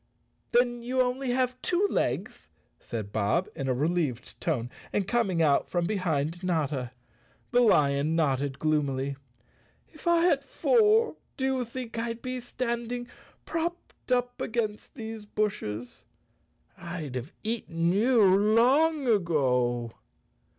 "Then you only have two legs," said Bob in a relieved 93 The Cowardly Lion of Oz _ tone and coming out from behind Notta. The lion nod¬ ded gloomily. " If I had four, do you think I'd be stand¬ ing propped up against these bushes. I'd have eaten you long ago."